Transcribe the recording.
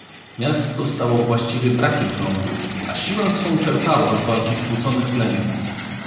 Miasto stało właściwie brakiem rządu, a siłę swą czerpało z walki skłóconych plemion.